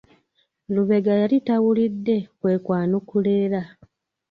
Lubega yali tawulidde kwe kwanukula era.